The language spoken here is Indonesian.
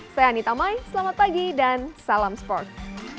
saya anita mai selamat pagi dan salam sports